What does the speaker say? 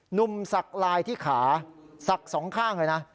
หนุ่มสักลายที่ขาศักดิ์สองข้างเลยนะ